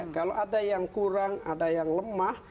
kalau ada yang kurang ada yang lemah